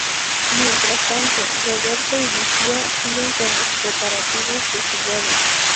Mientras tanto, Roberto y Lucía siguen con los preparativos de su boda.